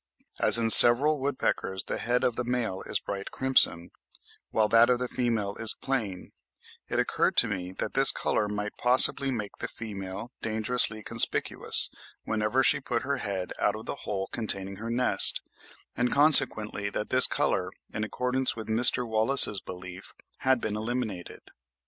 As in several woodpeckers the head of the male is bright crimson, whilst that of the female is plain, it occurred to me that this colour might possibly make the female dangerously conspicuous, whenever she put her head out of the hole containing her nest, and consequently that this colour, in accordance with Mr. Wallace's belief, had been eliminated.